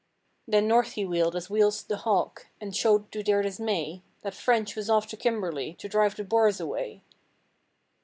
Then north he wheeled as wheels the hawk and showed to their dismay, That French was off to Kimberley to drive the Boers away.